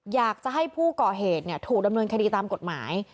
อยากจะให้ผู้ก่อเหตุถูกดำเนินคดีตามกฎหมาย